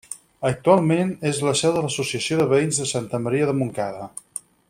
Actualment és la seu de l'Associació de Veïns de Santa Maria de Montcada.